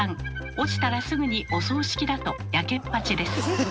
落ちたらすぐにお葬式だとヤケっぱちです。